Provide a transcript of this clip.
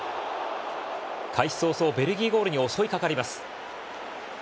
開始早々、ベルギーゴールに襲いかかります。